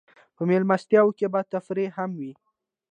په مېلمستیاوو کې به تفریح هم وه.